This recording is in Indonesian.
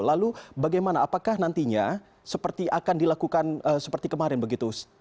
lalu bagaimana apakah nantinya seperti akan dilakukan seperti kemarin begitu